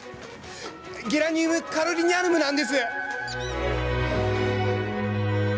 ゲラニウム・カロリニアヌムなんです！